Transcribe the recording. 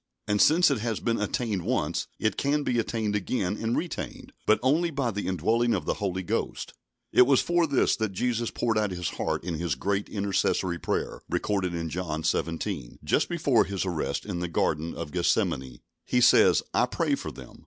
And since it has been attained once, it can be attained again and retained, but only by the indwelling of the Holy Ghost. It was for this that Jesus poured out His heart in His great intercessory prayer, recorded in John xvii., just before His arrest in the Garden of Gethsemane. He says, "I pray for them....